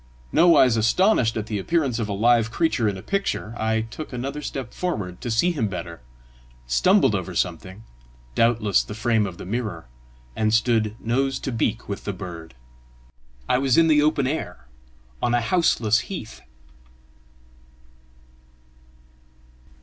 Nowise astonished at the appearance of a live creature in a picture, I took another step forward to see him better, stumbled over something doubtless the frame of the mirror and stood nose to beak with the bird: I was in the open air, on a houseless heath!